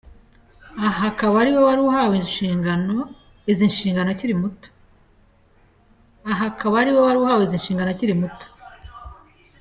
Aha akaba ariwe wari uhawe izi nshingano akiri muto.